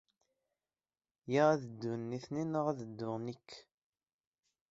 Ya ad ddun nitni neɣ ad dduɣ nekk!